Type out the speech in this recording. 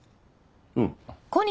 うん。